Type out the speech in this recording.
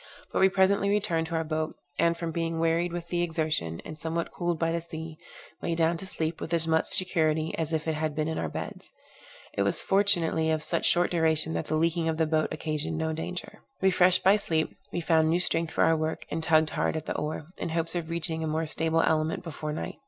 But we presently returned to our boat, and from being wearied with the exertion, and somewhat cooled by the sea, lay down to sleep with as much security as if it had been in our beds. It was fortunately of such short duration that the leaking of the boat occasioned no danger. Refreshed by sleep, we found new strength for our work, and tugged hard at the oar, in hopes of reaching a more stable element before night.